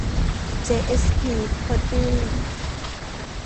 เจ เอส พี พร็อพเพอร์ตี้